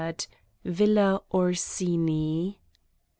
Villa Orsini.